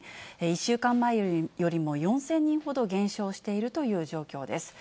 １週間前よりも４０００人ほど減少しているという状況です。